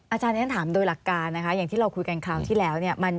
อาจารย์ฉันถามโดยหลักการนะคะอย่างที่เราคุยกันคราวที่แล้วเนี่ย